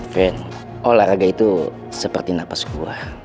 vero olahraga itu seperti nafas gue